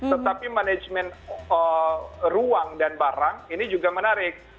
tetapi manajemen ruang dan barang ini juga menarik